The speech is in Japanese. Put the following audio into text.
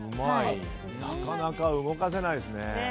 なかなか動かせないですね。